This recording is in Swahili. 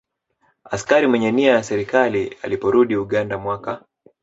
Askari Mwenye Nia ya Serikali Aliporudi Uganda mwaka